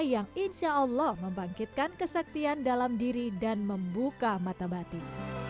yang insya allah membangkitkan kesaktian dalam diri dan membuka mata batin